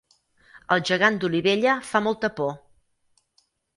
El gegant d'Olivella fa molta por